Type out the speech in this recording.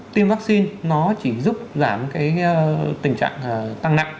tiêm vaccine nó chỉ giúp giảm cái tình trạng tăng nặng